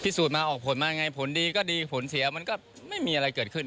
สูจนมาออกผลมายังไงผลดีก็ดีผลเสียมันก็ไม่มีอะไรเกิดขึ้น